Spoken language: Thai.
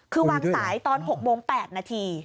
คือวางสายตอน๖โมง๘นาที